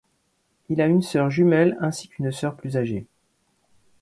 Il a une sœur jumelle ainsi qu'une sœur plus âgée.